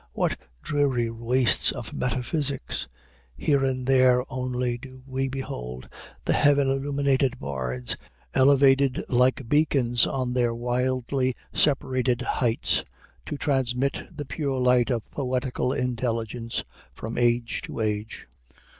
what dreary wastes of metaphysics! Here and there only do we behold the heaven illuminated bards, elevated like beacons on their widely separate heights, to transmit the pure light of poetical intelligence from age to age."